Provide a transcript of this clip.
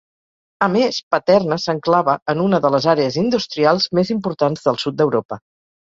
A més, Paterna s'enclava en una de les àrees industrials més importants del sud d'Europa.